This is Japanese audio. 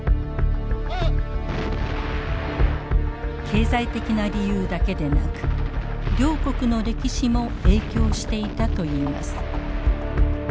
経済的な理由だけでなく両国の歴史も影響していたといいます。